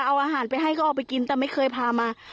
เอาอาหารไปให้ก็ออกไปกินแต่ไม่เคยพามา